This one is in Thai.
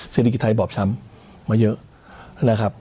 เศรษฐกิจไทยบอบช้ำมาเยอะ